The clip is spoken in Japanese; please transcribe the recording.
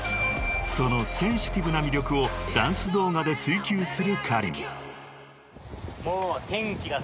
［そのセンシティブな魅力をダンス動画で追求するＫａｒｉｍ］